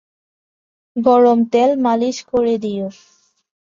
গরম তেল মালিশ করে দিও।